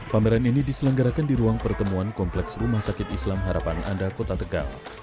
pameran ini diselenggarakan di ruang pertemuan kompleks rumah sakit islam harapan anda kota tegal